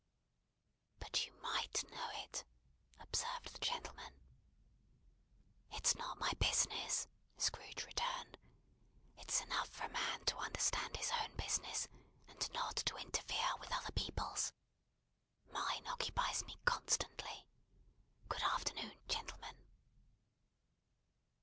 "But you might know it," observed the gentleman. "It's not my business," Scrooge returned. "It's enough for a man to understand his own business, and not to interfere with other people's. Mine occupies me constantly. Good afternoon, gentlemen!"